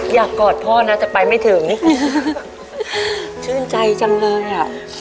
อยากกอดพ่อนะจะไปไม่เถิงนี่ชื่นใจจังเลยอ่ะ